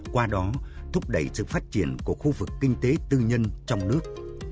qua đó thúc đẩy sự phát triển của khu vực kinh tế tư nhân trong nước